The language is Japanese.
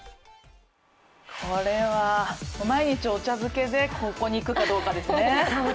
これは、毎日お茶漬けでここに行くかどうかですね。